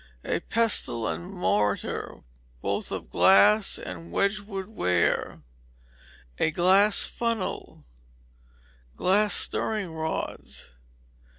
A pestle and mortar, both of glass and Wedgwood ware. A glass funnel. Glass stirring rods.